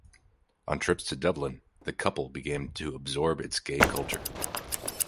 On trips to Dublin the "couple" begin to absorb its gay culture.